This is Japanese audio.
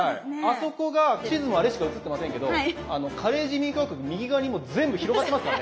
あそこが地図もあれしかうつってませんけどカレー人民共和国右側にも全部広がってますからね。